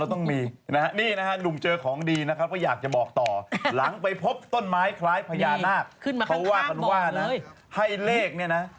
เรื่องนี้นะฮะผู้ชายคนนึงเขาไปเจอต้นไม้คล้ายพญานาค